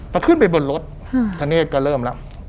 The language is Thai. พอขึ้นไปบนรถธเนธก็เริ่มแล้ว